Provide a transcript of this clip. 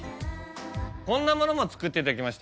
こんなものも作っていただきました。